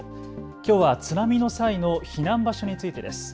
きょうは津波の際の避難場所についてです。